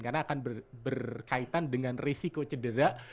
karena akan berkaitan dengan risiko cedera